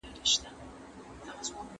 کله چې به د یوې ښځې مېړه مړ سو.